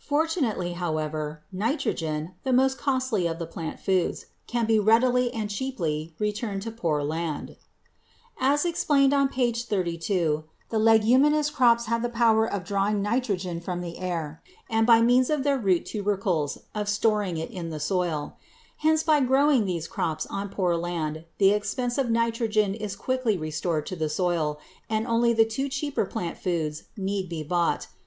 Fortunately, however, nitrogen, the most costly of the plant foods, can be readily and cheaply returned to poor land. [Illustration: FIG. 230. ALFALFA READY FOR THE THIRD CUTTING] As explained on page 32 the leguminous crops have the power of drawing nitrogen from the air and, by means of their root tubercles, of storing it in the soil. Hence by growing these crops on poor land the expensive nitrogen is quickly restored to the soil, and only the two cheaper plant foods need be bought.